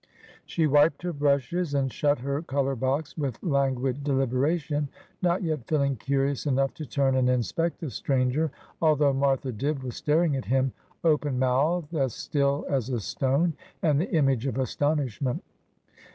She wiped her brushes and shut her colour box, with languid deliberation, not yet feeling curious enough to turn and inspect the stranger, although Martha Dibb was staring at him open mouthed, as still as a stone, and the image of astonishment.